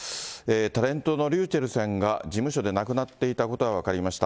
タレントのｒｙｕｃｈｅｌｌさんが事務所で亡くなっていたことが分かりました。